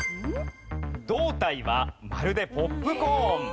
胴体はまるでポップコーン。